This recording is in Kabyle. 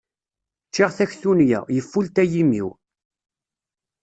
Ččiɣ taktuniya, yefulta yimi-w.